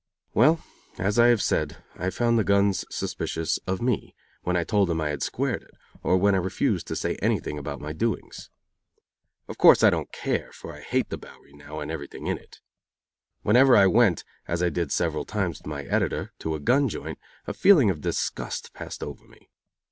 Well, as I have said, I found the guns suspicious of me, when I told them I had squared it, or when I refused to say anything about my doings. Of course I don't care, for I hate the Bowery now and everything in it. Whenever I went, as I did several times with my editor, to a gun joint, a feeling of disgust passed over me.